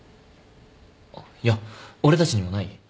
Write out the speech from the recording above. いや俺たちにもない？